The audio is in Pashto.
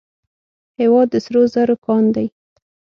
هیواد د سرو زرو کان دی